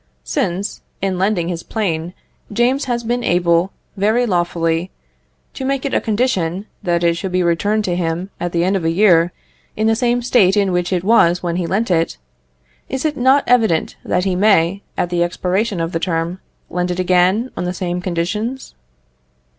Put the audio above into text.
Since, in lending his plane, James has been able, very lawfully, to make it a condition that it should be returned to him, at the end of a year, in the same state in which it was when he lent it, is it not evident that he may, at the expiration of the term, lend it again on the same conditions?